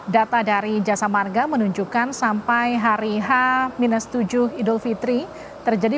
data dari jasa marga menunjukkan sampai hari ini